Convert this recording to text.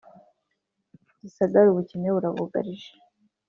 Gisagara ubukene burabugarije